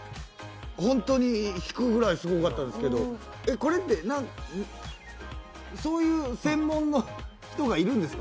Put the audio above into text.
ホントに引くぐらいすごかったですけど、これって、そういう専門の人がいるんですか？